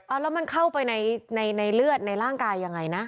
แล้วมันเข้าไปในเลือดในร่างกายยังไงนะ